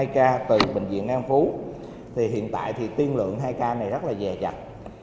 hai ca từ bệnh viện an phú hiện tại tiên lượng hai ca này rất là dè chặt